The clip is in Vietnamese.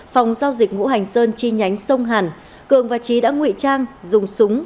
phòng giao dịch ngũ hành sơn chi nhánh sông hàn cường và trí đã ngụy trang dùng súng